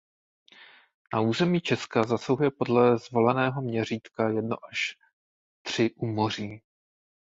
Na území Česka zasahuje podle zvoleného měřítka jedno až tři úmoří.